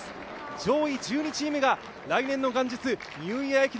上位１２チームが来年の元日、ニューイヤー駅伝